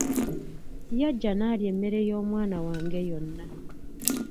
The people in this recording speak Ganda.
Yajja n’alya emmere y'omwana wange yonna.